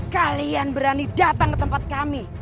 kalian berani datang ke tempat kami